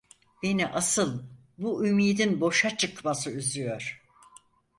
Beni asıl, bu ümidin boşa çıkması üzüyor…